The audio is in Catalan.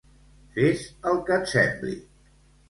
Fes el que et sembli.